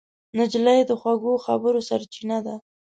نجلۍ د خوږو خبرو سرچینه ده.